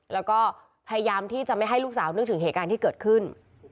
แล้วก็พยายามที่จะไม่ให้ลูกสาวนึกถึงเหตุการณ์ที่เกิดขึ้น